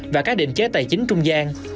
và các định chế tài chính trung gian